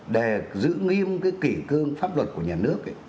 để giữ nghiêm cái kỷ cương pháp luật của nhà nước